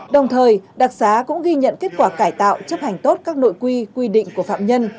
đồng thời đặc xá cũng ghi nhận kết quả cải tạo chấp hành tốt các nội quy quy định của phạm nhân